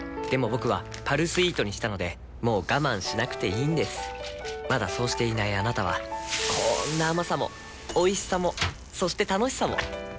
僕は「パルスイート」にしたのでもう我慢しなくていいんですまだそうしていないあなたはこんな甘さもおいしさもそして楽しさもあちっ。